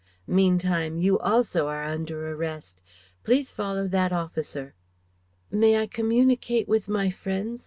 Meantime, you also are under arrest. Please follow that officer." "May I communicate with my friends?"